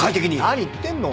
何言ってんの。